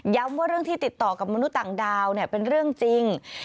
ว่าเรื่องที่ติดต่อกับมนุษย์ต่างดาวเนี่ยเป็นเรื่องจริง